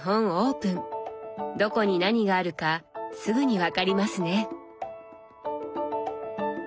どこに何があるかすぐに分かりますね。